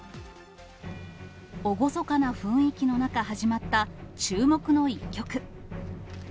厳かな雰囲気の中、始まった注目の一局。